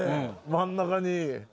真ん中に。